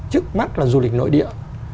trước mắt là du lịch nội địa